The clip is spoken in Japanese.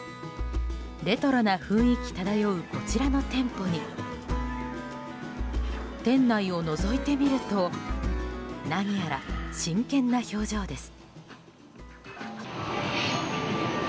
レトロな雰囲気漂うこちらの店舗に店内をのぞいてみると何やら真剣な表情です。